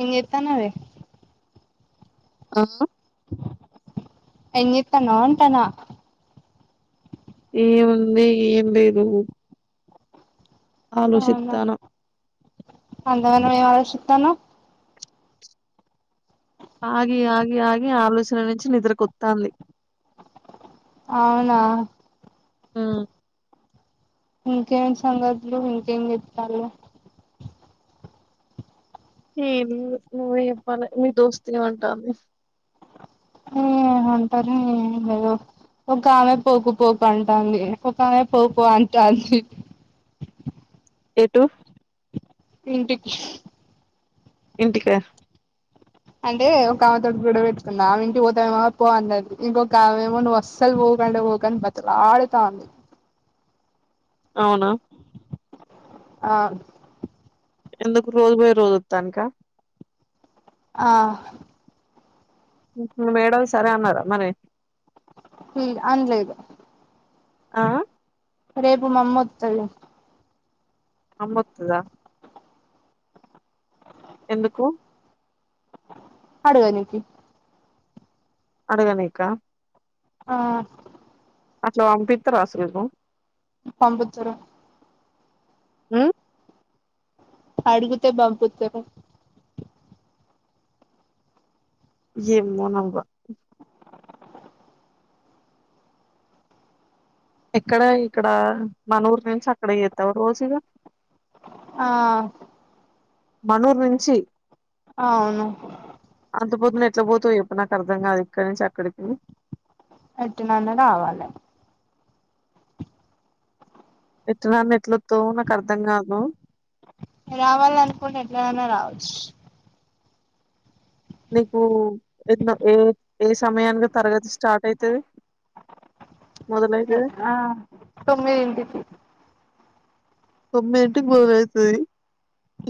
ఏం జేత్తానావే ఆ ఏం జేత్తానావ్ ఉంటానా ఏముంది ఏం లేదు ఆలోషిత్తానా అంత గనం ఏం ఆలోసిత్తానావ్ ఆగి ఆగి ఆగి ఆలోచన నుంచి నిద్రకొత్తాంది అవునా ఊ ఇంకేం సంగతులు ఇంకేం జేత్తాల్లు ఏం ఉంది నువ్వే చెప్పాలే మీ దోస్తు గదా అంటాంది ఎమ్ ఉంటది ఇగ ఓ. ఒక ఆమె పోకుపోకు అంటంది ఒక ఆమె పోపో అంటాంది. ఏటు. ఇంటికీ. ఇంటికా. అంటే ఒక అమెతోటి గోడ వెట్టుకున్న ఆమె ఇంటికి వోతావేమో పో అన్నది ఇంకొకమే మో నువ్వు అస్సల్ ఒకంటే వొకు. కని బతిలాడ్తాంది. అవునా. ఆ. ఎందుకు రోజు బోయ్ రోజు అత్తానీక. ఆ. మేడం సరే అన్నారా మరి. హు అంల్లేదు. అ ఆ. రేపు మామ్మోత్తంది. అమ్మోత్తదా. ఎందుకు. అడగనికి. అడగనీకా. ఆ. అట్లా పంపిత్తారా అసలు కు. పంపిత్తార్రు. ఉమ్ అడుగుతే పంపితురు. యేమోనవ్వ. ఎక్కడ ఇక్కడా మన ఊర్ నుంచి అక్కడ యేత్తావ రోజు ఇగా. ఆ. మన ఊరు నుంచి. అవును. అంత పొద్దున ఎట్లా బోతవ్ యేప్పు నాకర్థం గాదు ఇక్కడ నుంచి అక్కడికి. ఎట్టనన్న రావాలే. ఎట్లనన్న ఎట్లాతవ్ నాకర్థం గాదు. రావాలనుకుంటే ఎట్లానన్న రావచ్చు. నీకు ఎన్నో ఏ ఏ సమయానికి తరగతి స్టార్ట్ అయితది. మొదలైతది ఆ తొమ్మిదింటికి. తోమ్మిదింటికి బోవుడయితది.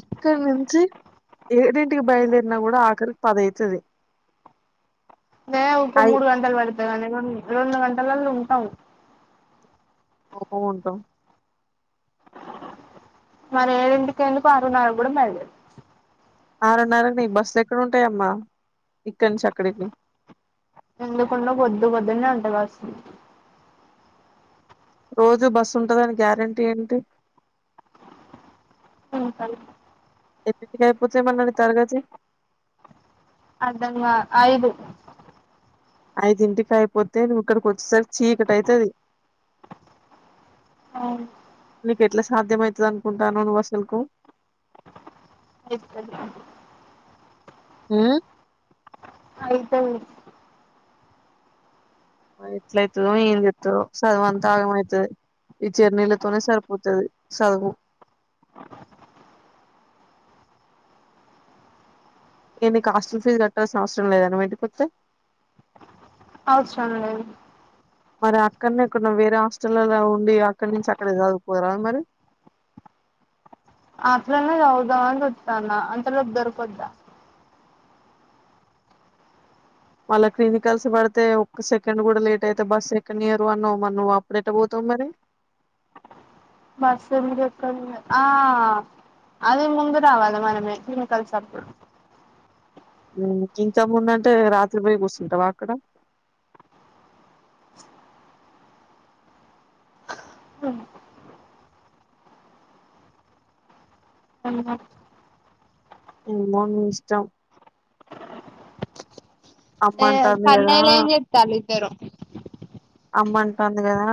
ఇక్కడ నుంచి ఏడింటికి బయలుదేరినా గుడ ఆఖరికి పది అయితది. దే ఉకో అయి మూడు గంటలు వడ్తదానే రో రొండు గంటలల్ల ఉంటాం. ఒక గంట. మరి ఏడింటికి ఎందుకు ఆరున్నార గూడా బయలు దేరూ. ఆరున్నరకి నిక్ బస్సులు ఎక్కడుంటాయమ్మా ఇక్కనుంచి అక్కడికి. ఎందుకుండదు పోద్దు పోద్దునే ఉంటది బస్. రోజు బస్సు ఉంటదని గ్యారంటీ ఏంటి. ఉ సరే. ఎన్నింటికి అయిపోతది మళ్ల ని తరగతి. అదంగా ఐదు ఐదింటికి అయిపోతే నువ్వు ఇక్కడికి వచ్చేసారికి చీకటి అయితది అవును నీకు ఎట్లా సాధ్యమైతది అనుకుంటనావు నువ్వు అసలుకు అయితది ఉమ్మ్ అయితది ఎట్ల అయితదో ఏంచేతదో సదువు అంత ఆగం అయితది ఈ జర్నీళ్లతోనే సరిపోతది సదువు ఎ నీకు హాస్టల్ ఫీజ్ కట్టాల్సిన అవసరం లేదా నువ్వు ఇంటికి అత్తే అవసరం లేదు మరి అక్కడనే ఎక్కడనో వేరే హాస్టల్లో ఉండి అక్కడి నుంచి అక్కడ చదువుపోరాదు మరి అట్లనే చదువుదాం అని చూతన్న అంతలోపు దొరుకొద్ద మళ్ళా క్లినికల్స్ పడితో ఒక్క సెకండ్ కూడా లేట్ అయితే బస్ ఎక్కనియ్యరు అన్నావ్ మరి నువ్వు అప్పుడు ఎట్ట పోతావు మరి బస్సు ఎందుకు ఎక్కనియ ఆ అది ముందు రావాలి మనమే కెమికల్ అప్పుడు ఉమ్మ్ గింతా ముందంటే రాత్రి పోయి కూర్చుంటావా అక్కడ ఉన్న ఏమో ని ఇష్టం అమ్మ ఏ అంటాంది కదా కన్నయ్యలు ఎం చేత్తాళ్ళు ఇద్దరు అమ్మ అంటాంది కదా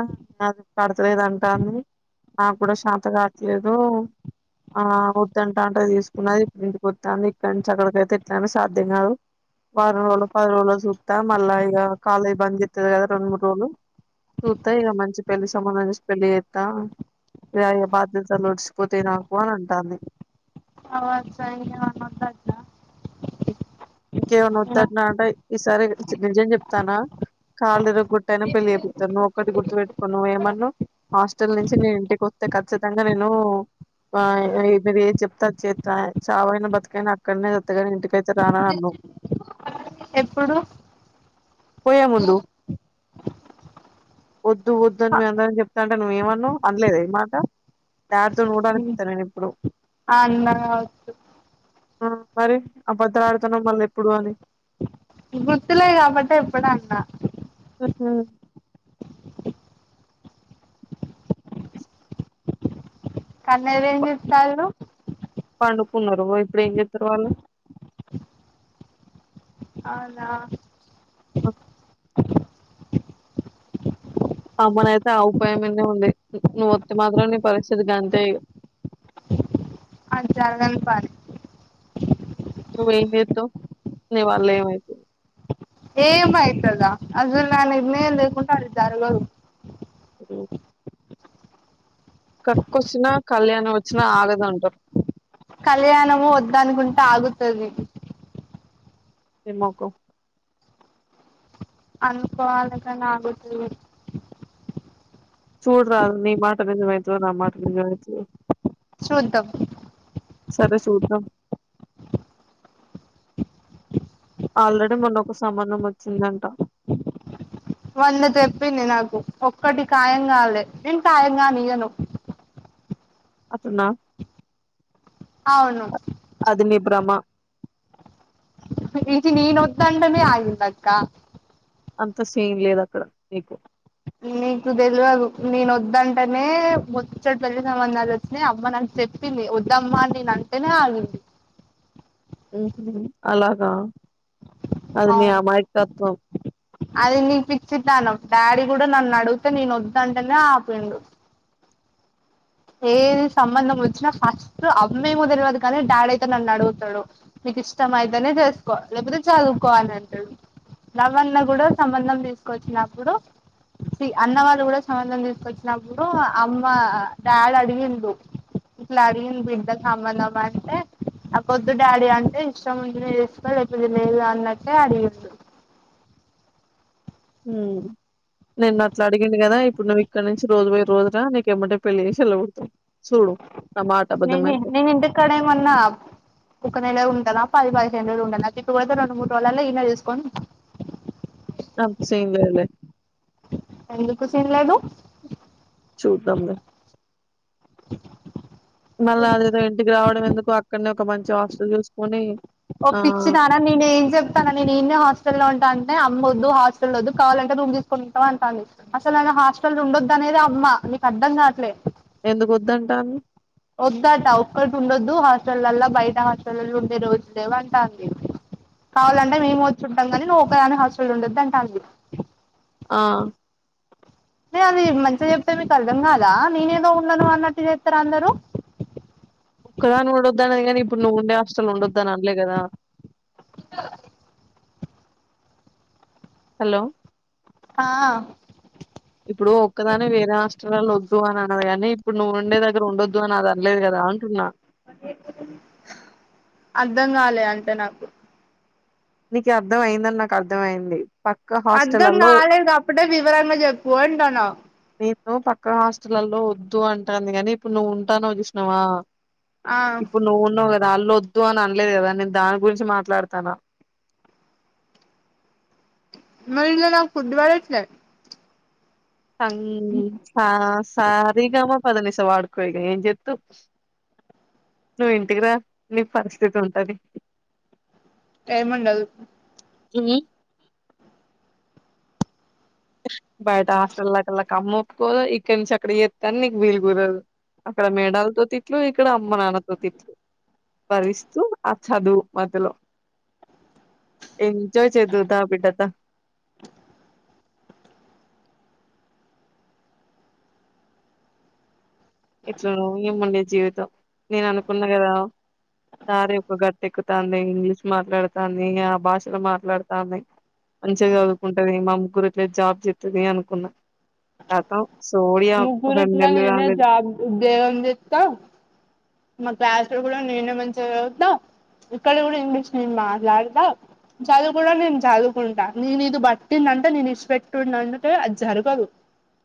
అది పడతలేదు అంట అని నాకూడా శతా కాట్లేదు ఆ వద్దుంటాంటే తీసుకున్నది ఇప్పుడు ఇంటికి వత్తాంది ఇక్కడి నుంచి అక్కడికైతే ఎట్లేనే సాధ్యం కాదు వారం రోజుల పది రోజుల చూత్తా మళ్ల ఇగా కాలేజ్ బంద్ చేత్తది కదా రెండు మూడు రోజులు చూత్తా ఇగ మంచి పెళ్లి సంబంధం సుచి పెళ్ళి చేత్తా ఇగ ఈ బాధ్యతలు ఓడిసిపోతయ్ నాకు అని అంటాంది వాళ్ల సైడు ఏమన్నా వద్ద ఇంకేమనా వద్దన్నా అంటే ఈసారి నిజం చెప్తాన్న కాళ్లు ఇరగ్గొట్టి అయినా పెళ్లిపితాను నువ్వు ఒకటి గుర్తు పెట్టుకో నువ్వు ఏమన్నావ్ హాస్టల్ నుంచి నేను ఇంటికి వత్తే ఖచ్చితంగా నేను ఆ మీరు ఏం చెప్తే అది చేత్త చావైనా బతుకైనా అక్కడనే చత్తగాని ఇంటికి కైతే రానా అన్నావ్ ఎప్పుడు పోయేముందు వొద్దు వొద్దు అని మెం అందరం చెప్తాంటే నువ్వ్ ఏమన్నావ్ అనలేదా ఈమాట దారితోని కుడా ఇప్పుతా నేను ఇప్పుడు ఆ అన్నాటు ఆ మరి అబద్ధాలు ఆడుతున్నావ్ మళ్ళీ ఎప్పుడు అని గుర్తులే కాబట్టి ఎప్పుడన్నా ఆహ కన్నయ్యలు ఏం చేత్తళ్ళు పండుకున్నారు ఓ ఇప్పుడు ఏం చేతారు వాళ్ళు అవునా ఓ అమ్మనయితే ఆ ఉపాయం మిదనే ఉంది నువ్వు వత్తే మాత్రం నీ పరిస్థితి గంతే అంతే ఇగ అది జరగని పని నువ్వేం చెత్తావ్ నీవళ్ళ ఏమయిత ఏమయితద అసలు నా నిర్ణయం లేకుండా అది జరగదు ఓ కక్కొచ్చినా కళ్యాణం వచ్చినా ఆగదు అంటారు కళ్యాణము వొద్దు అనుకుంటే ఆగుతది నీ మొఖం అనుకోవాలిగానాగుతుంది చూడరా నీ మాట నిజమైతదో నా మాట నిజమయితదో చూద్దాం సరే చూద్దాం ఆల్రెడీ మొన్న ఒక సంబంధం వచ్చిందంట మొన్న చెప్పింది నాకు ఒక్కటి ఖాయం కాలే నేను ఖాయంగానీయ్యను అట్టన్న అవును అది నీ భ్రమ ఈజి నేను ఒద్దంటేనే ఆగుద్దక్క అంత సీన్ లేదు అక్కడ నీకు నీకు తెలివదు నేను వద్దంటేనే ముచ్చడు పెళ్లి సంబంధాలు వచ్చినా అమ్మ నాంచి చెప్పింది వద్దమ్మా నేను అంటేనే ఆగింది అలాగా అది నీ అవును అమాయకత్వం అది నీకు పిచ్చితనం డాడీ కూడా నన్ను అడిగితే నేను వద్దుంటనే ఆపిండు ఏది సంబంధం వచ్చినా ఫస్ట్ అమ్మేమో తెలివదు కానీ డాడీ అయితే నన్ను అడుగుతాడు మీకు ఇష్టం అయితేనే చేసుకోవాలి లేకపోతే చదువుకోవాలి అంటాడు రవన్న కూడా సంబంధం తీసుకొచ్చినప్పుడు అన్న వాళ్ళు కూడా సంబంధం తీసుకొచ్చినప్పుడు అమ్మ డాడ్ అడిగిండు ఇట్లా అడిగిండు బిడ్డ సంబంధం వస్తె ఆ పొద్దు డాడీ అంటే ఇష్టముంటే చేసుకో లేపోతే లేదు అన్నట్టే అడిగిండు ఉ నిన్న అట్లడిగిండు కదా ఇప్పుడు నువ్ ఇక్కడి నుంచి రోజు పోయి రోజులన నీకు ఎమ్మటే పెళ్లి చేసి ఎల్లగొడుతడు చూడు నేను నేను ఇంటి కాడ ఏమన్నా ఒక్క నెల ఉంటదా పది పదిహేను రోజులు ఉంటండ అ ఇప్పుడతే రెండు రోజులల్లో ఇల్లా తీసుకొని అంత సీన్ లేదు లే ఎందుకు సీన్లేదు చూద్దాంలే మళ్ళీ అదేదో ఇంటికి రావడం ఎందుకు అక్కడనే ఒక మంచి హాస్టల్ చూసుకునీ ఓ పిచ్చిదా నేను ఏం చెప్తాను నేను ఈడనే హాస్టల్లో ఉంటా అంటే అమ్మ వద్దు హాస్టల్ వద్ కావాలంటే రూమ్ తీసుకుని ఉంటావా అంటాంది అసలు ఆడ హాస్టల్ ఉండొద్దు అనేది అమ్మ నీకు అర్థం కావట్లే ఎందుకు వద్దంటాంది వద్దట ఒక్కటి ఉండొద్దు హాస్టల్లా బయట హాస్టల్లో ఉండే రోజులేవు అంటాంది కావాలంటే మేము వచ్చుంటాంగానీ నువ్ ఒక్క దానివే హాస్టల్ ఉండద్దు అంటాంది ఆ న అది మంచిగా చెప్తే మీకు అర్థం కాదా నేనేదో ఉండను అన్నట్టు చేస్తారు అందరు క్కదాని ఉడొద్దన్నది కానీ ఇప్పుడు నువ్వుండే హస్టల్ లో ఉండొద్దు అని అనలే కదా ఇ హలో ఆ ఇప్పుడు ఒక్కదానివి వేరే హాస్టల్ లలో వద్దు అని అన్నది కానీ ఇప్పుడు నువ్వు ఉండే దగ్గర ఉండొద్దు అని అది అనలేదు కదా అంటున్నా అర్ధం కాలే అంత నాకు నీకి అర్థం అయ్యిందని నాకు అర్థం అయ్యింది అర్థం కాలేదు కాపట్టే వివరంగా చెప్పు అంటాన్నా నీతో పక్క హాస్టల్లల్లో వద్దు అంటాంది గానీ ఇప్పుడు నువ్వు ఉంటానావ్ చూసినావా ఆ ఇప్పుడు నువ్వు ఉన్నావు కదా ఆళ్ళొద్దు అని అనలేదు కదా నేను దాని గురించి మాట్లాడతాన్నా మరి ఇందులో నాకు ఫుడ్ బడట్లే తంగ్ చా సా రి గా మా ప ద ని స వాడుకో ఇగ ఏం చేత్తు నువ్వు ఇంటికి రా నీ పరిస్థితి ఉంటది టైం ఉండదు [unintelligible] బయట హాస్టల్ లకి లకి అమ్మ ఒప్పుకోదు ఇక్కడ నుంచి అక్కడ చేత్తాని నీకు వీలు కుదరదు అక్కడ మేడాలతో తిట్లు ఇక్కడ అమ్మ నాన్నతో తిట్లు భరిస్తూ ఆ చదువు మధలో ఎంజాయ్ చేద్దువు దా బిడ్డ దా ఎట్లానో ఏమో నీ జీవితం నేను అనుకున్నా కదా తా రేపు గట్టు ఎక్కుతాంది ఇంగ్లీష్ మాట్లాడుతాంది ఆ భాషలో మాట్లాడుతాంది మంచిగా చదుకుంటది మా ముగ్గురు ఎట్లే జాబ్ చేత్తది అనుకున్నా ఖతం సోడియా ఒక రెండు ముగ్గురిట్లా నెల్లు నేనే కాలేదు జాబ్ ఉద్యోగం జేత్తా మా క్లాస్ లో కూడా నేనే మంచిగా చదువుతా ఇక్కడ కూడా ఇంగ్లీష్ నేను మాట్లాడుతా చదువు కూడా నేను చదువుకుంటా నేను ఇది బట్టిన్ అంటే నేను ఇడిషిపెట్టుడునన్ అంటే అది జరుగదు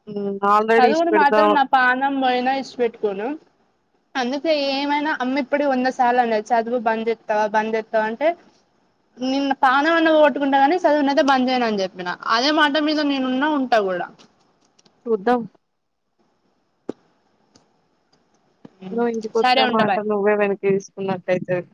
ఉమ్, ఆల్రెడీ అది కూడా ఇడిషిపెడతా మాత్రం నా పానం పోయినా ఇషిపెట్టుకోను అందు తే ఏమైనా అమ్మిప్పుడుకి వంద సార్లు అన్నది చదువు బంద్ చేత్తవా బంద్ చేత్తవా అంటే నేను నా పాణం అన్నా పోగోట్టుకుంటా గానీ సదువునైతే బంద్ చేయను అని చెప్పినా అదే మాట మీద నేనున్నా ఉన్ టా గూడా చూద్దాం నువ్వు ఇంటి కొత్తే సరే ఆ ఉంటా బాయ్ మాటలు నువ్వే వెనక్కి తీసుకున్నట్టైతది